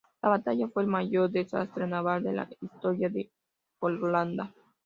La batalla fue el mayor desastre naval de la historia de Holanda.